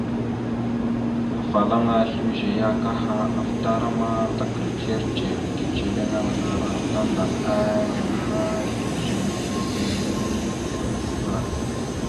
Afalaŋana slʉze ya kaha afətaràma tagəra ndzir ndzir ticeliŋalara tandaɗalalaŋara slʉze nehe tiweniŋire səla səla.